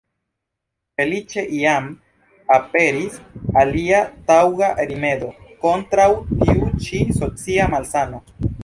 Feliĉe jam aperis alia taŭga rimedo kontraŭ tiu ĉi socia malsano.